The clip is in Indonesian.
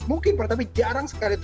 mungkin tapi jarang sekali